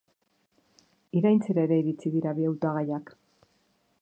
Iraintzera ere iritsi dira bi hautagaiak.